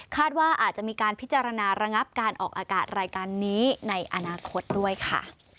ว่าอาจจะมีการพิจารณาระงับการออกอากาศรายการนี้ในอนาคตด้วยค่ะ